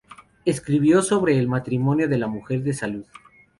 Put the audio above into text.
Escribió sobre el martirio de la mujer de Saul.